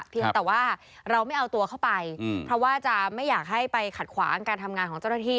เพียงแต่ว่าเราไม่เอาตัวเข้าไปเพราะว่าจะไม่อยากให้ไปขัดขวางการทำงานของเจ้าหน้าที่